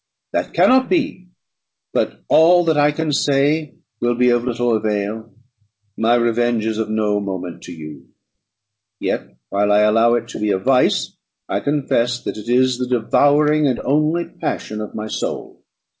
"That cannot be; but all that I can say will be of little avail. My revenge is of no moment to you; yet, while I allow it to be a vice, I confess that it is the devouring and only passion of my soul.